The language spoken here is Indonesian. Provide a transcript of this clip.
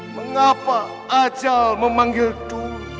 mengapa ajal memanggil tu